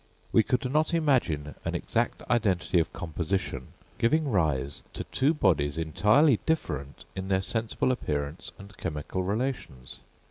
We could not imagine an exact identity of composition giving rise to two bodies entirely different in their sensible appearance and chemical relations.